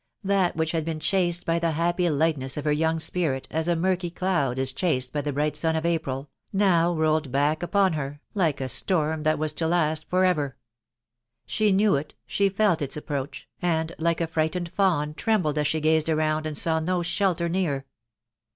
That which had been chased by the happy lightness of her young spirit, ai a murky cloud is chased by the bright sun of April, now idled back upon her, looking like a storm that was to last for ever ! She knew it, she felt its approach, and, like a frightened fawn, trembled as she gazed around, and saw no shelter near.